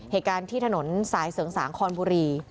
เหตุการณ์ที่ถนนสายเสริงสางคอนบุรี